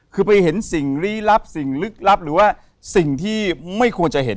คือไปเห็นสิ่งลี้ลับสิ่งลึกลับหรือว่าสิ่งที่ไม่ควรจะเห็น